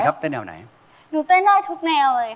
ถ้าพร้อมแล้วขอเชิญพบกับคุณลูกบาท